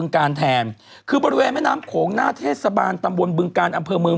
หลายเป็นรอยตามที่หนองน้ำสาธารณะบึงการแทม